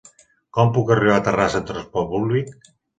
Com puc arribar a Terrassa amb trasport públic?